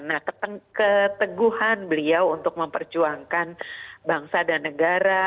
nah keteguhan beliau untuk memperjuangkan bangsa dan negara